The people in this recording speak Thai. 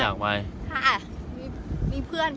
เค้ามีมีเพื่อน